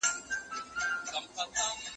زه د خپلي مور درناوی کوم.